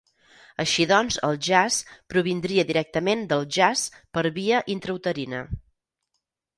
Així doncs el "jazz" provindria directament del "jaç" per via intrauterina.